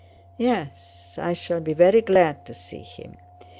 "Yes, I shall be very glad to see him.